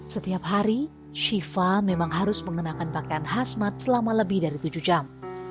setiap hari shiva memang harus mengenakan pakaian khasmat selama lebih dari tujuh jam